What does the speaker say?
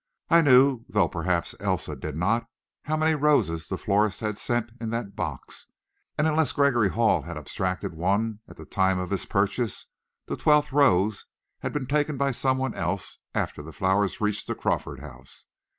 I knew, though perhaps Elsa did not, how many roses the florist had sent in that box. And unless Gregory Hall had abstracted one at the time of his purchase, the twelfth rose had been taken by some one else after the flowers reached the Crawford House.